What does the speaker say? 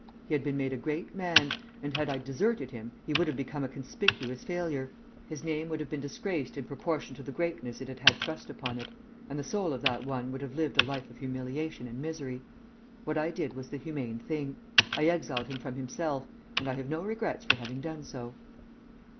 He had been made a great man, and had I deserted him he would have become a conspicuous failure; his name would have been disgraced in proportion to the greatness it had had thrust upon it, and the soul of that one would have lived a life of humiliation and misery. What I did was the humane thing. I exiled him from himself, and I have no regrets for having done so."